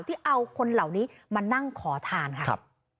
ที่เอาคนเหล่านี้มานั่งขอทานค่ะ